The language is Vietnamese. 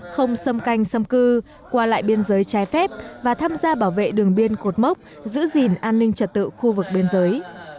không xâm canh xâm cư qua lại biên giới trái phép và tham gia bảo vệ đường biên cột mốc giữ gìn an ninh trật tự khu vực biên giới